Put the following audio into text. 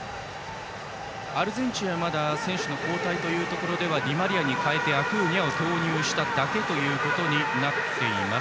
アルゼンチンはまだ選手の交代はディマリアに代えてアクーニャを投入しただけになっています。